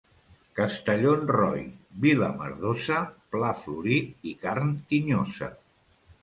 Castellonroi, vila merdosa, pla florit i carn tinyosa.